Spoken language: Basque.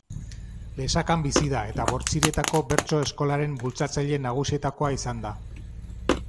Lesakan bizi da eta Bortzirietako Bertso-Eskolaren bultzatzaile nagusietakoa izan da.